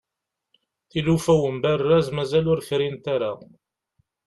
tilufa n umberrez mazal ur frint ara